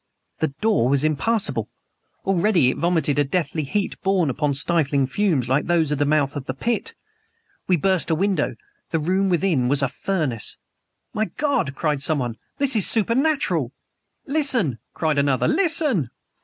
The door was impassable! Already, it vomited a deathly heat, borne upon stifling fumes like those of the mouth of the Pit. We burst a window. The room within was a furnace! "My God!" cried someone. "This is supernatural!" "Listen!" cried another. "Listen!"